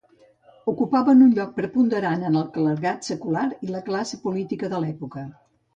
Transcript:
Ocupaven un lloc preponderant en el clergat secular i la classe política de l'època.